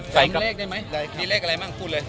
ฟังเลขได้ไหมมีเลขอะไรบ้างพูดเลย